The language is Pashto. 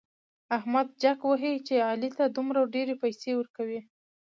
احمد جک وهي چې علي ته دومره ډېرې پيسې ورکوي.